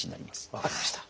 分かりました。